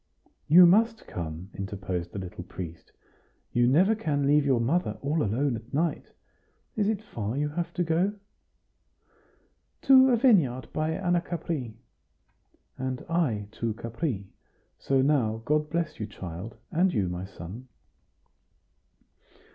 "You must come," interposed the little priest; "you never can leave your mother all alone at night. Is it far you have to go?" "To a vineyard by Anacapri." "And I to Capri. So now God bless you, child and you, my son."